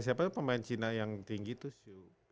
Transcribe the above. siapa tuh pemain china yang tinggi tuh siu